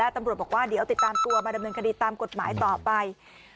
ตำรวจบอกว่าเดี๋ยวติดตามตัวมาดำเนินคดีตามกฎหมายต่อไป